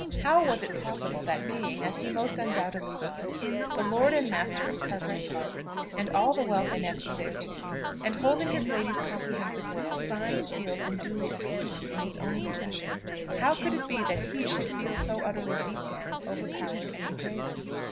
How was it possible, that being, as he most undoubtedly was, the lord and master of Cartwright Park, and all the wealth annexed thereto, and holding his lady's comprehensive will, signed, sealed, and duly executed, in his own possession, how could it be that he should feel so utterly beat down, overpowered, and degraded?